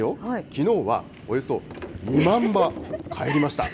きのうはおよそ２万羽かえりました。